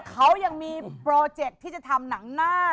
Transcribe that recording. เขายังมีโปรเจคที่จะทำหนังหน้า